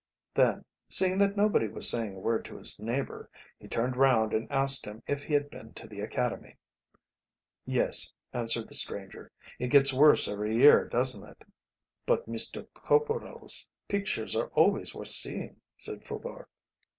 Then, seeing that nobody was saying a word to his neighbour, he turned round and asked him if he had been to the Academy. "Yes," answered the stranger; "it gets worse every year doesn't it?" "But Mr. Corporal's pictures are always worth seeing," said Faubourg.